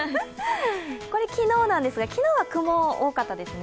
これは昨日ですが、昨日は雲が多かったですね。